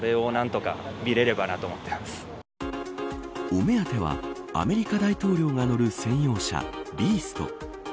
お目当てはアメリカ大統領が乗る専用車ビースト。